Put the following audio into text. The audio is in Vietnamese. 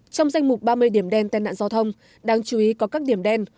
trong danh mục ba mươi điểm đen tai nạn giao thông đáng chú ý có các điểm đen